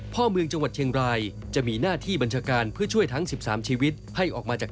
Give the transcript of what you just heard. พ่อเมืองจังหวัดเชียงรายจะมีหน้าที่บัญชาการเพื่อช่วยทั้ง๑๓ชีวิตให้ออกมาจาก